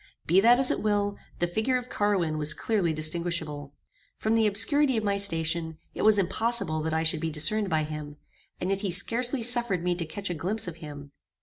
Be that as it will, the figure of Carwin was clearly distinguishable. From the obscurity of my station, it was impossible that I should be discerned by him, and yet he scarcely suffered me to catch a glimpse of him.